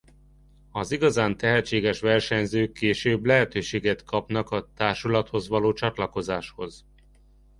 Az igazán tehetséges versenyzők később lehetőséget kapnak a társulathoz való csatlakozáshoz.